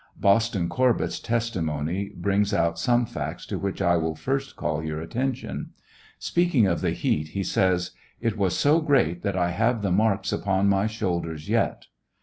Boston Corbett's testimony brings out some facts to which 1 will first call your attention. Speaking of the heat, he says : It was so great that I have the marks upon my shoulders yet.